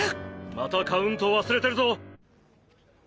またカウント忘れてるぞ。